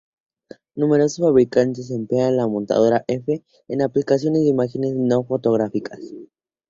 Numerosos fabricantes emplean la montura F en aplicaciones de imágenes no fotográficas.